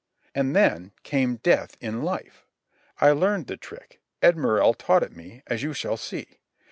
And then came death in life. I learned the trick, Ed Morrell taught it me, as you shall see.